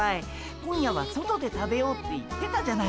今夜は外で食べようって言ってたじゃないっすか。